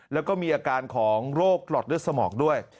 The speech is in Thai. แล้วก็มีอาการของโรคหลอดเลือดสมองด้วย